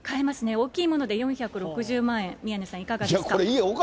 大きいもので４６０万円、宮根さん、いかがですか。